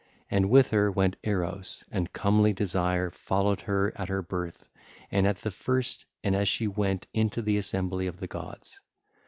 And with her went Eros, and comely Desire followed her at her birth at the first and as she went into the assembly of the gods.